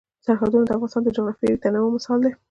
سرحدونه د افغانستان د جغرافیوي تنوع مثال دی.